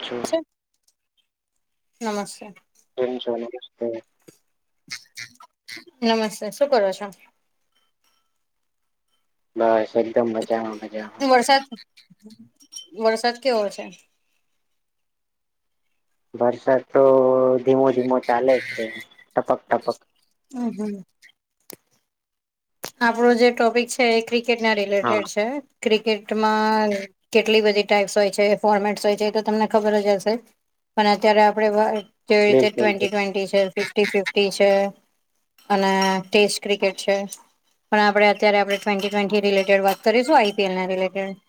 ચ્છ નમસ્ક કેમ છો [unintelligible] નમસ્તે, શું કરો છો? બસ એકદમ મજામા મજામા. વરસાદ વરસાદ કેવો છે? વરસાદ તો ધીમો ધીમો ચાલે છે ટપક ટપક [unintelligible] આપણો જે ટોપિક છે એ ક્રિકેટ ના હા રિલેટેડ છે ક્રિકેટ તમા કેટલી બધી ટાઈપ્સ હોય છે ફોર્મેટ્સ હોય છે એ તો તમને ખબર જ હશે પણ અત્યારે આપડે બ જેવી રીતે બિલકુલ ટ્વેન્ટી ટ્વેન્ટી છે ટી ફફી છે અને ટેસ્ટ ક્રિકેટ છે. પણ આપણે અત્યારે આપણે ટ્વેન્ટી ટ્વેન્ટી રિટેડ વાત કરીશું આઈ પી એલ ના રિલેટેડ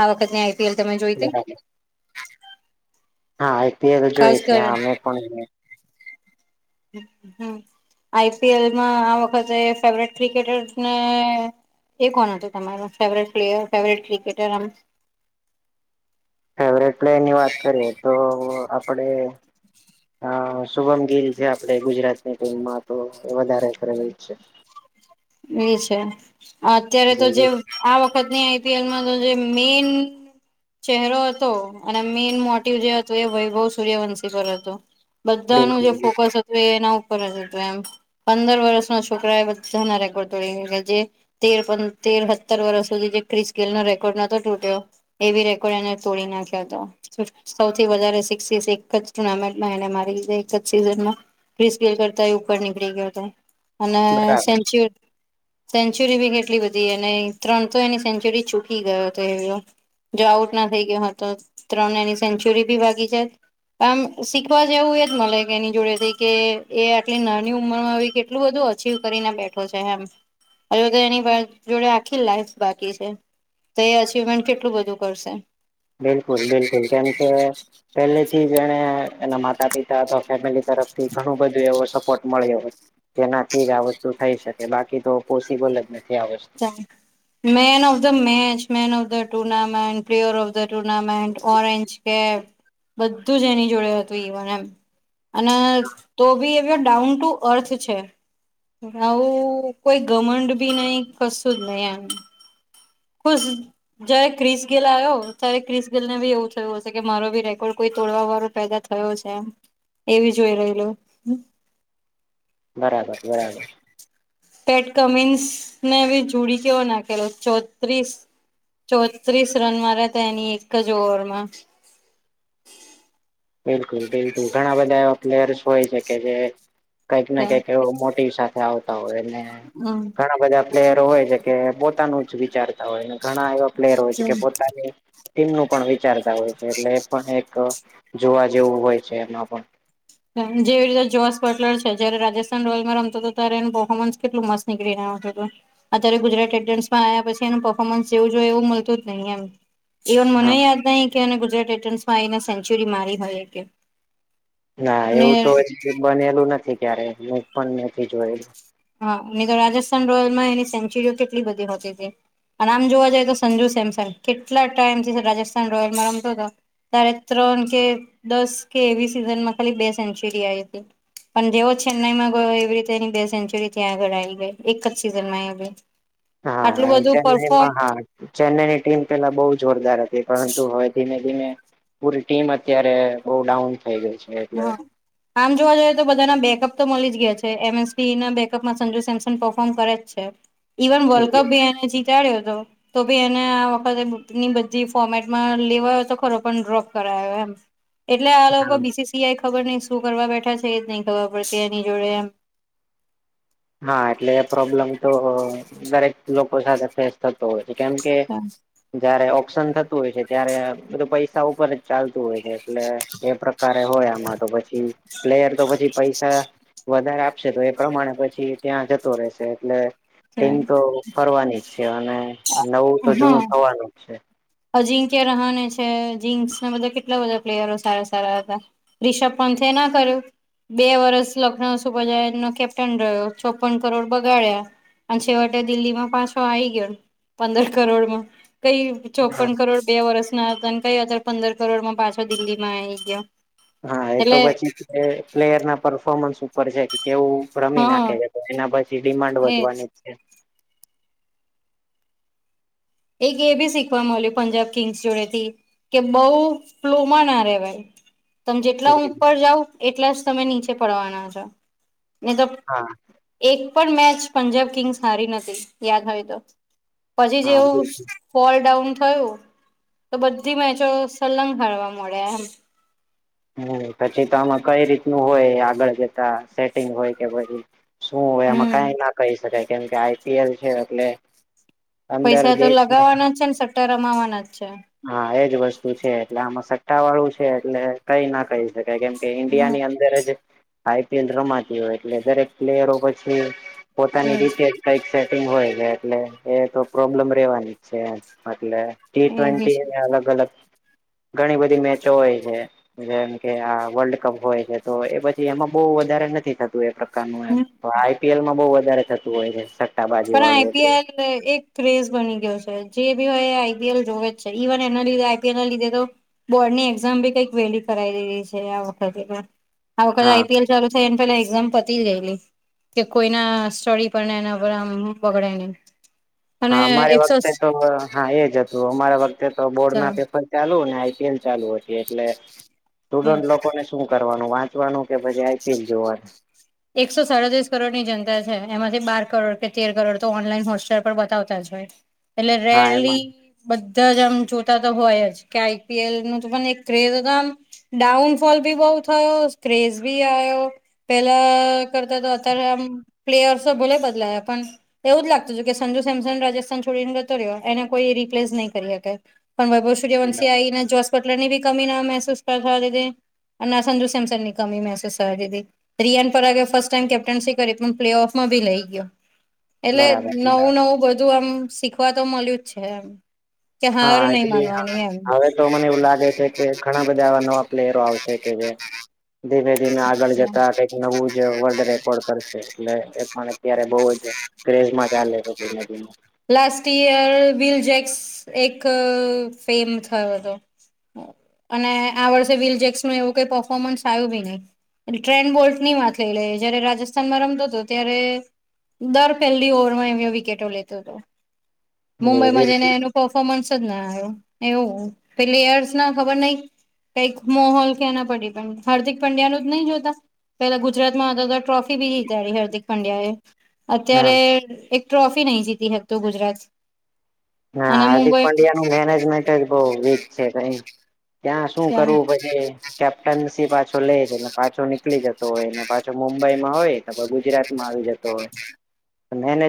આ વખત ની ઈ તેલ તમે જોઈતી? બરાબર હા આઈ પી એલ ખાસ જોઈ તી કર હા અમે પણ અહીંયા હમ્મ હમ્મ, આઈ પી એલમાં આ વખતે ફેવરેટ ક્રિકેટર ને એ કોણ હતું તમારા ફેવરેટ પ્લેયર, ફેવરેટ ક્રિકેટરમ આમ? ફેવરેટ પ્લેયર ની વાત કરીએ તો, આપડે અ શુભમ ગીલ છે આપણે ગુજરાતની ટીમમાં તો વધારે કર એજ છે. એ છે અત્યારે તો જે જી આ વખતની આઈ પી એલમાં તો જે મેન ચેહરો હતો અને મેન મોટિવ જે હતો એ વૈભવ સૂર્યવંશી પર હતો. બધાનું બિલકુલ જે ફોકસ હતું એના ઉપર જ હતું એમ. પંદર વર્ષના છોકરા એ બધાના રે [unintelligible] જે તેર પ તેર હતર વરશ સુધી જે ક્રિસ ગેલ નો રેકોર્ડ નતો તૂટ્યો એવી રેકોર્ડ એને તોડી નાખ્યો તો. સૌથી વધારે સિક્સીસ એક જ ટુર્નામેન્ટમાં એને મારી છે એક જ સીઝનમાં. ક્રિસ ગેલ કરતા એ ઉપર નીકળી ગ્યો તો એ અને બરાબર સેન્ચુ સેન્ચુરી બી કેટલી બી અને ત્રણ તો એની સેન્ચુરી ચૂકી ગયો તો એ. જો આઉટ ના થઈ ગ્યો હોત તો ત્રણે એની સેન્ચુરી ભી ભાગી જાત. આમ શીખવા જેવું એજ મલે કે એની જોડે થી કે એ આટલી નાની ઉંમર માબી કે એટલું બધું અચિવ કરીને બેઠો છે એમ. અજુ તો એની [unintelligible] જોડે આખી લાઈફ બાકી છે. તો એ અચિવમેન્ટ કેટલું બધું કરશે? બિલકુલ બિલકુલ, કેમ કે પેહેલે થી જ એણે એના માતા પિતા અથવા ફેમિલી તરફથી ઘણું બધું એવું સ પોર્ટ મળ્યો જેનાથી જ આ વસ્તુ થઈ શકે, બાકી તો પોસિબલ જ નથી આ વસ્તુ. [unintelligible] Main of the match, man of the tournament, player of the tournament, orange cap બધું જ એની જોડે હતું ઈ વ એમ, અને તો બી એ ડાઉન ટુ અર્થ છે. આવું કોઈ ગમંડ બી નહી કસુ જ નઈ એમ. ખુશ જય્યારે ક્રિસ ગેલ આયો, ત્યારે ક્રિસ ગેલ ને બી એવું થયું હશે કે મારો બી રેકોર્ડ કોઈ તોડવા વાળો પેદા થ યો સે એમ એવી જોઈ રૈલો. બરાબર, બરાબર. પેટ કમિન્સ ને બી ઝૂડી જેવો નાખેલો. ચોત્રીસ ચોત્રીસ રન માર્યાતા એની એક જ ઓવર માં. બિલકુલ બિલકુલ. ઘણા બધા એવા પ્લેયર્સ હોય છે કે જે કંઈક ના કઈક એવો મોટીવ સાથે આવતા હોય ને હમ ઘણા બધા પ્લેયરો હોય છે કે પોતાનું જ વિચારતા હોય ને ઘણા એવા પ્લેયર હોય છે કે પોતાની તેમનું પણ વિચારતા હોય છે એટલે એ પણ એક જોવા જેવું હોય છે એમાં પણ જેવી રીતે જોસ બટલર છે, જ્યારે રાજસ્થાન રોયલમાં રમતો તો તારે એનું પર્ફોર્ન્સ કેટલું મસ્ત નીકળી ને આવતું તું. અત્યારે ગુજરાત તાયટન્સમાં આયા પછી એનું પરફોર્મન્સ જેવું જોઈએ એવું મળતું જ નહી એમ. ઇવન હા મને યાદ નહીં કે એને ગુજરાત એટન્સ માં આઈને સેન્ચુરી મારી હોય એક એ. ના એવું તો હજી બનેલું નથી ક્યારે, હું પણ નથી જોયેલું. હા હી તો રાજસ્થાન રોયલમાં એની સેન્ચુરીઓ કેટલી બધી હોતી તે અને આમ જોવા જઈએ તો સંજુ સેમસંગ, કેટલા ટાઈમથી રાજસ્થાન રોયલમાં રમતો તો તારે ત્રણ કે દસ કે એવી સિઝનમાં ખાલી બે સેન્ચુરી આઈ તી. પણ જેવો છેન્નઈમાં ગયો એવી રીતે એની બે સે ન્ટ્યુરી થી આગળ આવી ગઈ, એક જ સીઝન માં એબી. હા ચેન્નાઈમાં હા ચેન્નાઈની ટીમ પેલા બહુ જોરદાર હતી પરંતુ હવે ધીમે ધીમે પૂરી ટીમ અત્યારે બઉ ડાઉન થઈ ગઈ છે એટલે હા આમ જોવા જઈએ તો બધાના બેકઅપ તો મળી જ ગયા છે એમએસી ના બેકઅપમાં સંજુ સેમસન પર્ફોર્મ કરે છે ઇવન વર્લ્ડ કપ ભી એને જીતાડ્યો હતો તો ભી એને આ વખતેની બધી ફોર્મેટમાં લેવાયો તો ખરો પણ ડ્રોપ કરાય્યો એમ એટલે આ લોકો બીસીસીઆઈ ખબર નહી શું કરવા બેઠા છે એ જ નઈ ખબર પડતી એની જોડે એમ હા એટલે એ પ્રોબ્લેમ તો દરેક લોકો સાથે ફેસ થતો હોય છે કેમ કે જયારે ઓપ્શન થતું હોય છે ત્યારે બધું પૈસા ઉપર જ ચાલતું હોય છે એટલે એ પ્રકારે હોય આમાં તો પછી પ્લેયર તો પછી પૈસા વધારે તો એ પ્રમાણે પછી ત્યાં જતો રહેશે એટલે ટિમ તો ફરવાની જ છે અને નવું તો જૂનું હા. થવાનું જ છે અજિંક્ય રહહાને છે જિન્સને બધા કેટલા બધા પ્લેયરો સારા સારા હતા રિષભ પંથે એ ના કર્યું બે વર્ષ લખનઉ સુબજ નો કેપ્ટન રહ્યો ચોપન કરોડ બગાડ્યા અને છેવટે દિલ્હીમાં પાછો આવી ગયો પંદર કરોડમાં કઈ ચોપન કરોડ બે વર્ષ ના હતા અને કયા અજાર પંદર કરોડમાં પાછા દિલ્હી માં આવી ગયા હા એ તો પછી પ્લેયર ના પરફોર્મન્સ ઉપર છે કેવું રમી હા નાખે છે તો એના પછી ડિમાન્ડ એ વધવાની જ છે એક એ બી શીખવા માલ્યું પંજાબ કિંગ્સ જોડે થી કે બઉુ ફ્લોમાં ના રેવાય તમે જેટલા ઉપર જાઉં એટલા જ તમે નીચે પડવાના છો ની તો હા એક પણ મેચ પંજાબ કિંગ્સ હારી નથી યાદ હોય તો પછી હા જેવું બિલકુલ ફોલ ડાઉન થયું તો બધી મેચો સલંગ હારવા મળે એમ હમ્મ પછી તો આમે કઈ રીતનું હોય આગળ જતા સેટિંગ હોય કે શું એમાં હમ કઈ ના કહી શકાય કેમ કે આઈપીએલ છે એટલે અંદર પૈસા તો દેશને લગાવવાના જ છે ને સટ્ટા રમાવાના જ છે હા એજ વસ્તુ છે એટલે આમાં સટ્ટા વાળું છે એટલે કઈ ના કહી શકાય કેમ કે ઈન્ડિયા ની હમ અંદર જ આઈપીએલ રમાતી હોય એટલે દરેક પ્લેયરો પછી પોતાની એજ રીતે કઈક સેટિંગ હોય છે એટલે એ તો પ્રોબ્લેમ રેવાની છે એટલે ટી એવી ટ્વેન્ટી છે અલગ અલગ ઘણી બધી મેચો હોય છે જેમ કે આ વર્લ્ડ કપ હોય છે તો એ પછી એમાં બહુ વધારે નથી થતું એ પ્રકારનું એમ હમ આઈપીએલ માં બહુ વધારે થતું હોય છે સટ્ટાબાજી પણ વાળું એટલે આઈપીએલ એક ક્રેઝ બની ગયો છે જે ભી હોય આઈપીએલ જોવે જ છે ઇવન એના લીધે આઈપીએલ લીધે તો બોર્ડ ની એક્ઝામ બી કઈક વેલી કરાવી દીધી છે આ વખતે આ વખતે હા આઈપીએલ ચાલુ થાય એને પે એક્ઝામ પતી જ ગયેલી કે કોઈના સ્ટડી પર એના પર આમ બગડે નહીં હા અમારે વખતે તો હા એજ હતું અમારા વખતે તો બોર્ડ ના પેપર ચાલુને આઈપીએલ ચાલુ હતી એટલે સ્ટુડન્ટ લોકોને શું કરવાનું વાત તો આનું કે પછી આઈપીએલ જોવાનું. એકસો સાડત્રીસ કરોડ ની જનતા છે એમાંથી બાર કરોડ કે તેર કરોડ તો ઓનલાઈન હોસ્ટેલ પર બતાવતા જ એટલે હા એમાં રેલી. બધા જ આમ જોતા તો હોય જ કે આઈપીએલ નું તો પણ એક ક્રેઝ હતો આમ. ડાઉનફોલ ભી બઉ થયો ક્રેઝ. આવ્યો પેલા કરતા તો અત્યારે આમ પ્લેયરસો ભલે બદલાયા પણ. એવું જ લાગતું હત કે સંજુ સેમસંગ રાજસ્થાન છોડીને ગતો રહ્યો એને કોઈ રિપ્લેસ નહીં કરી શકે. પણ વૈભવ સર્યવંશી આહી જો. ટલર ની બી કમી ના મહેસૂસ કરવા દીધી અને ના સંજુ સેમસન ની કમી મહેસૂસ કરવા દીધી. Riyan Parag first time captaincy કરી પણ પ્લે ઓફમાં ભી લઈ ગયો. એટલે બરાબર નવું બરાબર નવું બધું આમ શીખવા તો મળ્યું જ છે એમ. કે હાર હા નહી એટલે માનવાની એમ. હવે તો મને એવું લાગે છે કે. ઘણા બધા એવા નવા પ્લેયરો આવશે કે જે ધીમે ધીમે આગળ જતા કઈક નવું. વર્લ્ડ રેકોર્ડ કરશે એટલે પણ અત્યારે બહુ જ ક્રેઝમાં ચાલે છે ગુજ. લાસ્ટ ઈયર વિલ જેક્સ એક ફેમ થયો હતો. અને આ વર્ષે વિલ જેક્સ ન એવું કઈ પર્ફોર્મન્સ આવ્યું ભી નહી. ટ્રેન બોલ્ટ ની વાત લઈ લે જયારે રાજસ્થાનમાં રમતો હતો ત્યારે. દર પહેલી ઓવર માં અ વિકેટો લેતો હતો. જી મુંબઈમાં જઈને બિલકુલ એનું પર્ફોર્મન્સ જ ના આવ્યો એવું પ્લેયર્સ ના ખબર નહ. કઈક મોહોલ ક ના ડિપેડ પણ હાર્દિક પંડ્યા ન જ નહી જોતા. પેલા ગુજરાત માંદ અદ ટ્રોફી જીતારી હાર્દિક પંડ્યા એ. હા અત્યારે એક ટ્રોફી નહી જીતી હકતો ગુજરાત. હા અને હાર્દિક મુંબઈ પંડ્યા નુ મેનેજમેન્ટ જ બહુ વીક છે. ત્યાં શું કરવું પછી. કેપ્ટનસી પાછો લેલે પાછો નીકળી જતો હોય ને પાછો મુંબઈમાં હોય તો ગુજરાતમાં આવી જતો.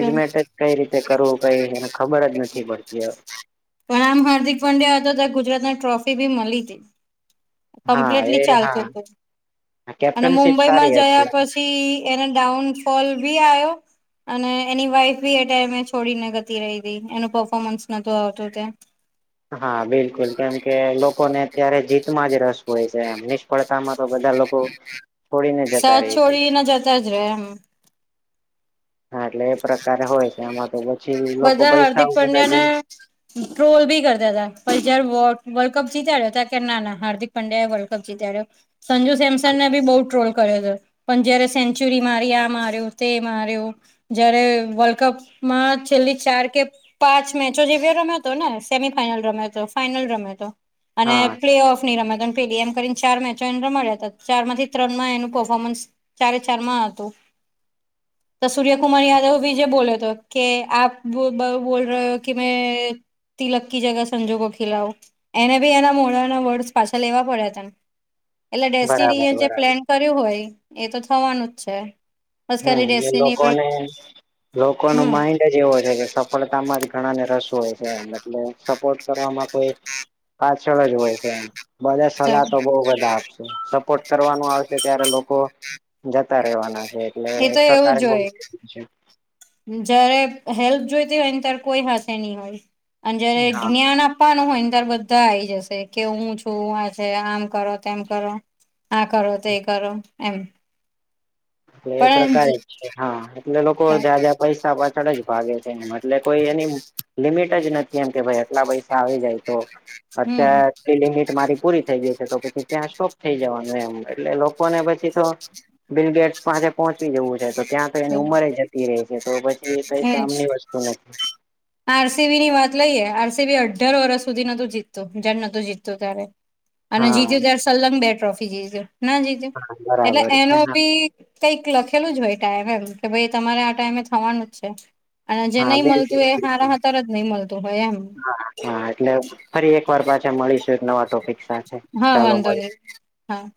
પણ જ કઈ રીતે કરવું કઈ એને ખબર જ નથી પડતી. પણ આમ હાર્દિક પંડ્યા હતો તો ગુજરાત ટ્રોફી ભી મળી હતી. હા કમ્પેટલી એ ચાલતો હા તો અને કેપ્ટનશીપ મુુંબઈમાં સારી હતી જયા પછી. કિ એના ડાઉનફોલ બી આવ્યો. અને એની વાઈફ બી એ ટાઈમે છોડીને ગતી રહી હતી એનું પફોર્મન્સ નોતુ આવતું તો. હા બિલકુલ કેમ કે લોકોને અત્યારે જીતમાં જ રસ હોય છે. પડતામાં તો બધા લોકો છોડીને જતા ર સાથ છે. છોડીને જ જતા હ!. હા એટલે એ પ્રકારે હોય છે એમાં તો પછી લોકો બધા હાર્દિક પૈસાડે છે. પંડ્યાને ટ્રોલ ભી કરતા હતા પણ જાર નો વર્લ્ડ કપ જીતડ્યો ત કે ના ના હાર્દિક. પંડ્યા વર્લ્ડ કપ જીત્યો સંજુ સેમસનને બી બહુ ટ્રોલ કર્યો હતો. પણ જયારે સેન્ચુરી મારી આ માર્યો તે માર્યો જય્યારે વર્લ્ડ કપમાં જ. છેલ્લી ચાર કે પાંચ મેચો જેવી રમ્યો હતો ને સેમી ફાઈનલ રમ્યો હતો ફાઈનલ રમ્યો તો. અને હા પ્લે ઓફ. ર પે એમ કરીને ચાર મેચોને રમા્યા હતા ચાર માંથી ત્રણ માં એનું પર્ફોર્મન્સ. ચારે ચાર માં હતું તો સૂર્યકુમાર યાદવ બી જે બોલે હતો કે. આપ બ બોલ રહે હો કે મે તિલક ક જગહ સંજોકો ખિલાઓ. એને બી એના મોડાના વર્ડસ પાછા લેવા પડ્યા હતાને. એટલે ડેસ્ટિની બરાબર એ જે બરાબર પ્લેન કર્યું હોય એ તો થવાનું જ છે. બસ ખાલી હમ એ ડેસ્ટિની પર લોકોને લોકો નુ હમ માઇન્ડ. જ એવો છે કે સફળતામાં જ ઘણાને રસ હોય છે એટલે સપોર્ટ કરવામાં કોઈ. પાછળ જ હોય છે એમ બને સલાહ ચાલો. તો બહ બધા આપશે. સપોર્ટ કરવાનું આવશે ત્યારે લોકો જતા રહેવાના છે. એટલે તો એ એવું પ્રકારે જ બહુ હોય છે. જયારે હેલ્પ જોઈતી હોય ને ત્યારે કોઈ હાથે ની હોય અને જયારે હા જ્ઞાન આપ પા નુ હોય ત્યારે બધા આઈ આવી જશે કે હું છું આ છે આમ કરો તેમ કરો. હા કરો તે કરો એમ. એલે એ પણ પ્રકારે જ છે હા એટલે લોકો છે. જ્યાં જ્યાં પૈસા પાછળ જ ભાગે છે. એ એટલે કોઈ એની લિમિટ જ નથી એમ કે ભાઈ આટલા પૈસા આવી જાય તો. હમ અત્યારે લિમિટ મારી પૂરી થઇ ગઈ. તો પછી ત્યાં સ્ટોપ થઈ જવાનું એમ એટલે લોકોને પછી તો બિડેકસ. પાસેે પહોંચવી જવું છે તો ત્યાં તો એની છે. ઉંમરે જતી ર રહે છે તો પછી એ કઈ એજ કામ ની વસ્તુ નથી. આરસીબી ની વાત લઈએ આરસીબી અઢાર વર્ષ સુધી નોતું જીતું જયારે નોતુ જીતું ત્યારે. અને હા જીત્યું ત્યારે સલંગ બે ટ્રોફી જીત્યો ના જીત્યું હા એટલે બરાબર છે એનો હા બી. કઈક લખેલું જ હોય ટાઈમે એ કે ભાઈ તમારે આ ટાઈમે થવાનું જ છે. અને જે હા નહી મળતું બિલકુલ હોય એ હારાઆતાર જ નહી મળતું હોય એમ હા હા એટલે ફરી એક વાર પાછા મળીશું એક નવા ટોપિક સાથે હા ચાલો વાંધો મળી નહી હા